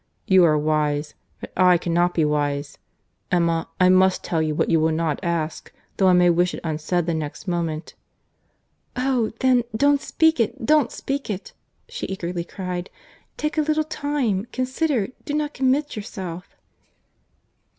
—You are wise—but I cannot be wise. Emma, I must tell you what you will not ask, though I may wish it unsaid the next moment." "Oh! then, don't speak it, don't speak it," she eagerly cried. "Take a little time, consider, do not commit yourself."